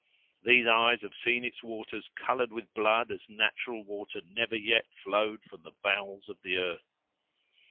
These eyes have seen its waters colored with blood, as natural water never yet flowed from the bowels of the 'arth."